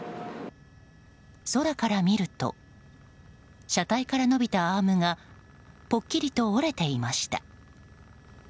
空から見ると車体から伸びたアームがポッキリと折れていました。